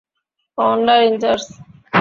Commander in charge.